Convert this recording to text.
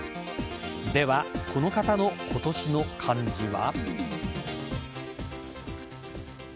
では、この方の今年の漢字は。